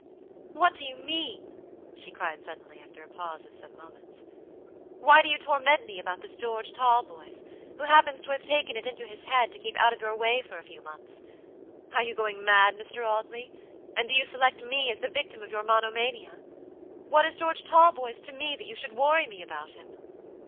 "What do you mean?" she cried suddenly, after a pause of some moments. "Why do you torment me about this George Talboys, who happens to have taken it into his head to keep out of your way for a few months? Are you going mad, Mr. Audley, and do you select me as the victim of your monomania? What is George Talboys to me that you should worry me about him?"